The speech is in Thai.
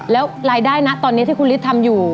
แล้วรายได้นะตอนนี้ที่คุณฤทธิ์ทำอยู่